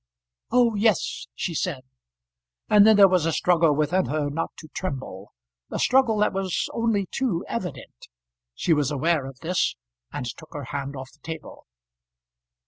"Oh, yes," she said. And then there was a struggle within her not to tremble a struggle that was only too evident. She was aware of this, and took her hand off the table.